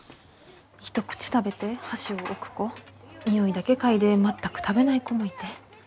一口食べて箸を置く子匂いだけ嗅いで全く食べない子もいて。